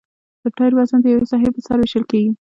د ټایر وزن د یوې ساحې په سر ویشل کیږي